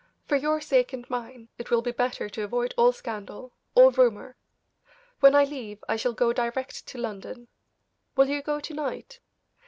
For your sake and mine, it will be better to avoid all scandal, all rumor. When I leave I shall go direct to London. Will you go to night?